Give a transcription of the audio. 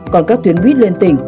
còn các tuyến buýt liên tỉnh